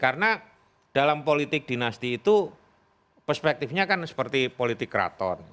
karena dalam politik dinasti itu perspektifnya kan seperti politik raton